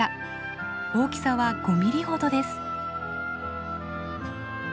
大きさは５ミリほどです。